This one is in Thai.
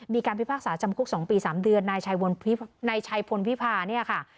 พิพากษาจำคุก๒ปี๓เดือนนายชัยพลวิพาเนี่ยค่ะ